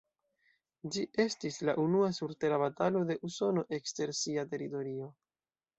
Ĝi estis la unua surtera batalo de Usono ekster sia teritorio.